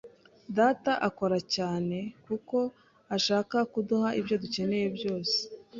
Data akora cyane kuko ashaka kuduha ibyo dukeneye byose.